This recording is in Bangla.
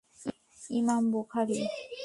ইমাম বুখারী